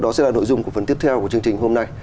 đó sẽ là nội dung của phần tiếp theo của chương trình hôm nay